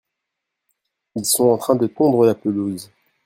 elles sont en train de tondre la pelouse.